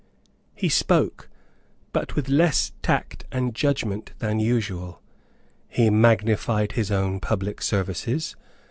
He spoke, but with less tact and judgment than usual. He magnified his own public services.